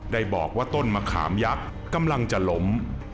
ได้บอกว่าต้นมะขามยักษ์กำลังจะล้ม